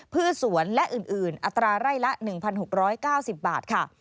พืชสวนและอื่นอัตราไร่ละ๑๖๙๐บาทค่ะ